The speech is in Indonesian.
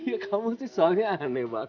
ya kamu sih soalnya aneh banget